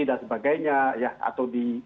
dan sebagainya atau di